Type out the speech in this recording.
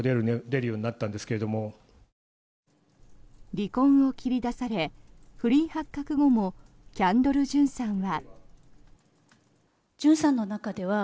離婚を切り出され不倫発覚後もキャンドル・ジュンさんは。